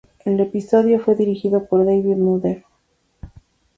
El episodio fue dirigido por "David Nutter".